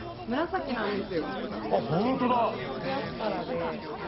紫アスパラで。